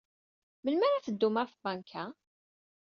Melmi ara teddum ɣer tbanka?